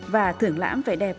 và thưởng lãm vẻ đẹp